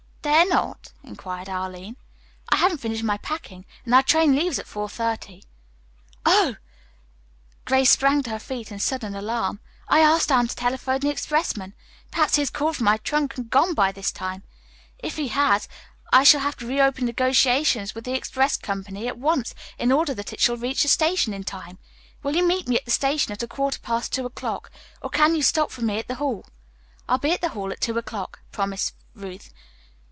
"Dare not?" inquired Arline. "I haven't finished my packing, and our train leaves at four thirty. Oh!" Grace sprang to her feet in sudden alarm. "I asked Anne to telephone for the expressman. Perhaps he has called for my trunk, and gone by this time. If he has, I shall have to reopen negotiations with the express company at once in order that it shall reach the station in time. Will you meet me at the station at a quarter past two o'clock, or can you stop for me at the Hall?" "I'll be at the Hall at two o'clock," promised Ruth.